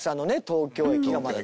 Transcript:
東京駅ね